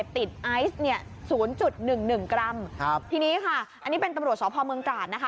ถึง๑กรัมทีนี้ค่ะอันนี้เป็นตำรวจชพเมืองกราศนะคะ